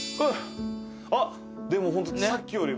でもホントさっきよりもう。